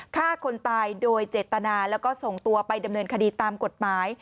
ฆ่าคนตายโดยเจตนาแล้วก็ส่งตัวไปดำเนินคดีตามกฎหมาย